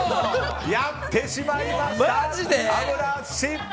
やってしまいました、田村淳。